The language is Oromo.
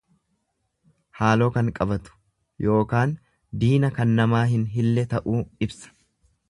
Haaloo kan qabatu ykn diina kan namaa hin hille ta'uu ibsa.